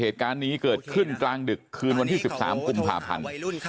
ทีนี้เนี่ยนะเกิดขึ้นกลางดึกคืนวันที่๑๓กุมภาพันธ์